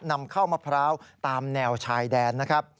นำเข้ามะพร้าวตามแนวชายแดนนะครับ